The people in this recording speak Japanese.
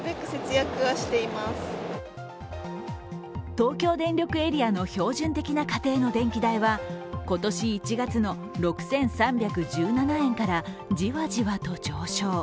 東京電力エリアの標準的な家庭の電気代は今年１月の６３１７円からじわじわと上昇。